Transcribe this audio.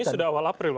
ini sudah awal april